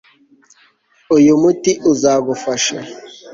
Uyu muti uzagufasha